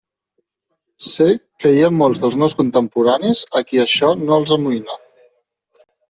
Sé que hi ha molts dels meus contemporanis a qui això no els amoïna.